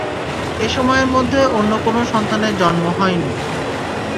এ সময়ের মধ্যে অন্য কোন সন্তানের জন্ম হয়নি।